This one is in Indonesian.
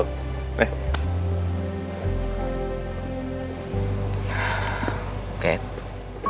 oke kakak masuk dulu